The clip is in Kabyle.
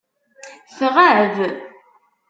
Tɣab.